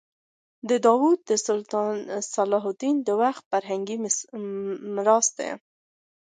دا دروازه د سلطان صلاح الدین د وخت فرهنګي میراث دی.